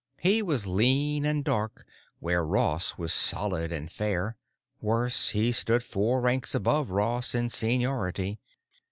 He was lean and dark where Ross was solid and fair; worse, he stood four ranks above Ross in seniority.